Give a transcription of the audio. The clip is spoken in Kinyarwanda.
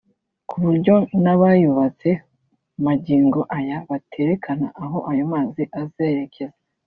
ku buryo n’abayubatse magingo aya baterekana aho ayo mazi azerekeza